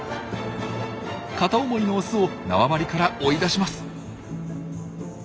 片思いのオスを縄張りから追い出します。